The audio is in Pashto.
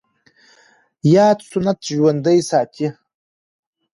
ياد سنت ژوندی ساتي